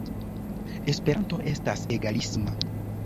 Esperanto estas egalisma.